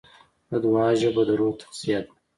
د دعا ژبه د روح تغذیه ده.